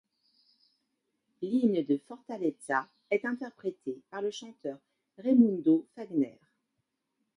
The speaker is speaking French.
L'hymne de Fortaleza est interprété par le chanteurRaimundo Fagner.